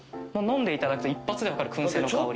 飲んでいただくと一発で分かる薫製の香り。